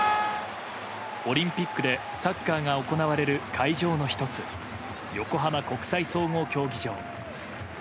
オリンピックでサッカーが行われる会場の１つ横浜国際総合競技場。